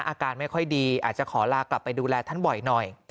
อาการไม่ค่อยดีอาจจะขอลากลับไปดูแลท่านบ่อยหน่อย